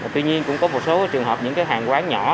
tuy nhiên cũng có một số trường hợp những hàng quán nhỏ